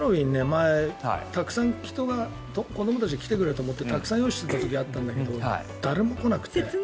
前、たくさん子どもたちが来てくれると思ってたくさん用意していた時あったんだけど誰も来なくて。